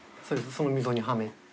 その溝にはめて。